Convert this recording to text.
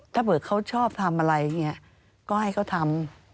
ถ้าเผื่อเขาชอบทำอะไรอย่างนี้ก็ให้เขาทำ